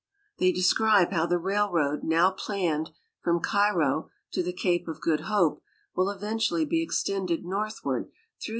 They describe how the railroad now planned from Cairo to the Cape of Good Hope will eventually be extended northward through this EI.